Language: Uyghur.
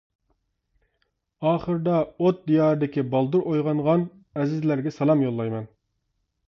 ئاخىردا ئوت دىيارىدىكى «بالدۇر ئويغانغان» ئەزىزلەرگە سالام يوللايمەن.